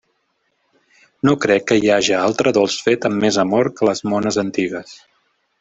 No crec que hi haja altre dolç fet amb més amor que les mones antigues.